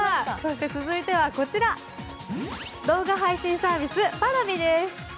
続いては、動画配信サービスＰａｒａｖｉです。